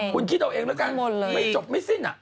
คุณคิดเอาเองแล้วกันไม่จบไม่สิ้น